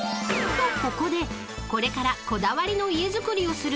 ［とここでこれからこだわりの家造りをする］